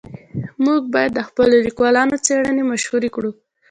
موږ باید د خپلو لیکوالانو څېړنې مشهورې کړو.